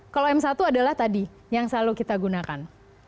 kalau m satu adalah tadi yang selalu kita gunakan